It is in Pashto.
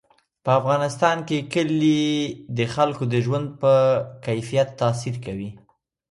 په افغانستان کې کلي د خلکو د ژوند په کیفیت تاثیر کوي.